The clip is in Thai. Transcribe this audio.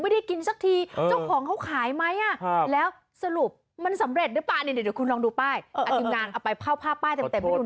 เดี๋ยวคุณลองดูป้ายเอาไปเผ่าผ้าป้ายเต็มให้ดูหน่อย